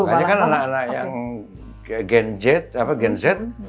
makanya kan anak anak yang gen z